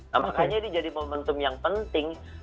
nah makanya ini jadi momentum yang penting